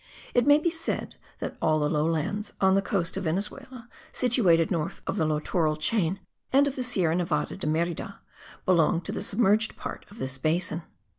It may be said that all the low lands on the coast of Venezuela situated north of the littoral chain and of the Sierra Nevada de Merida belong to the submerged part of this basin.